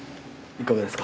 いかがですか？